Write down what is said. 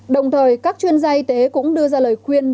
đồng thời các chuyên gia y tế cũng đưa ra lời khuyên